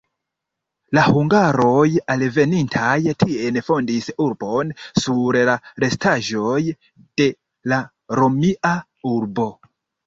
La hungaroj alvenintaj tien fondis urbon, sur la restaĵoj de la romia urbo.